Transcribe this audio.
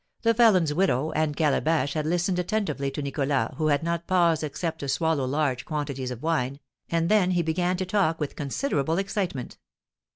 The felon's widow and Calabash had listened attentively to Nicholas, who had not paused except to swallow large quantities of wine, and then he began to talk with considerable excitement.